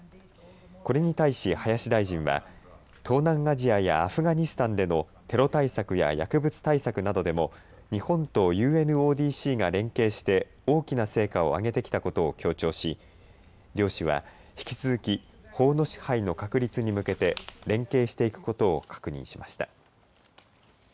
これに対し林大臣は東南アジアやアフガニスタンでのテロ対策や薬物対策などでも日本とＵＮＯＤＣが連携して大きな成果を上げてきたことを強調し両氏は引き続き法の支配の確立に向けて連携していくことを確認しました。